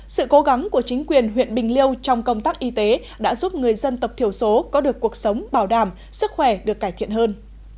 sự cố gắng của chính quyền huyện bình liêu trong công tác y tế đã giúp người dân tộc thiểu số có được cuộc sống bảo đảm sức khỏe được cải thiện hơn